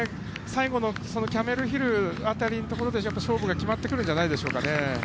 最後のキャメルヒルズ辺りのところで勝負が決まってくるんじゃないでしょうか。